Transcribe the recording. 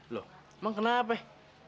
loh emang kenapa ya